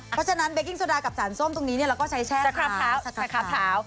เพราะฉะนั้นเบกกิ้งโซดากับสารส้มตรงนี้เราก็ใช้แช่เท้า